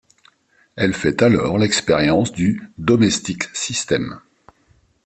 Elle fait alors l’expérience du domestic system.